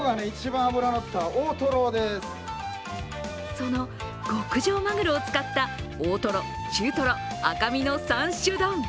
その極上マグロを使った大トロ、中トロ、赤身の３種丼。